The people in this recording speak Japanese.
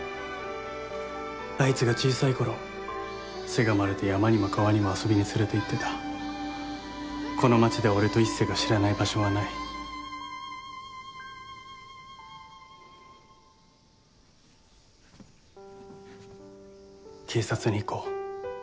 あいつが小さい頃せがまれて山にも川にも遊びに連れて行ってたこの町で俺と壱成が知らない場所はない警察に行こう